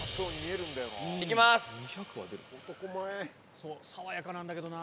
そう爽やかなんだけどな。